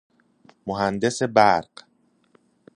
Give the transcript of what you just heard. مهندس برق